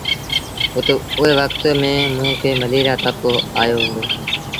اُئي وکت ميݩ موݩ کي مليٚريآ تپ آيو هُݩدو۔